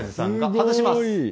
外します。